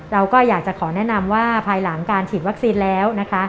เราก็อยากจะขอแนะนำว่าภายหลังการฉีดวัคซีนแล้วนะคะ